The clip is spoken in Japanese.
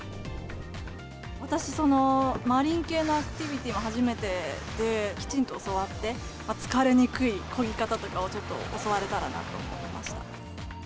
私、マリン系のアクティビティーも初めてで、きちんと教わって、疲れにくいこぎ方とかをちょっと教われたらなと思いました。